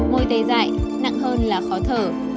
môi tê dại nặng hơn là khó thở